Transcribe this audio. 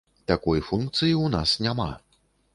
Такой функцыі ў нас няма.